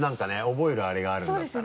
覚えるあれがあるんだったら。